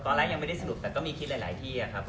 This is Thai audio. ตอนแรกยังไม่ได้สนุกแต่ก็มีคิดหลายที่ครับ